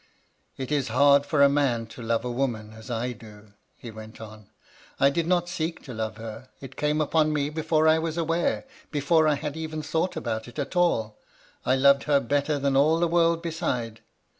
"* It is hard for a man to love a woman as I do,' he went on, * I did not seek to love her, it came upon me before I was aware — ^before I had ever thought about it at all, I loved her better than all the world beside.